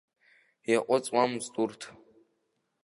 Иаҟәыҵуамызт урҭ.